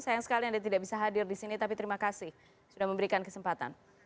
sayang sekali anda tidak bisa hadir di sini tapi terima kasih sudah memberikan kesempatan